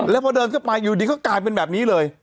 แล้วพอเดินเข้าไปอยู่ดีก็กลายเป็นแบบนี้เลย